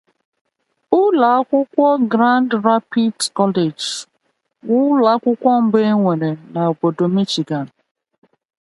Grand Rapids Junior College was the first junior college in Michigan.